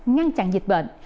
ngăn chặn dịch bệnh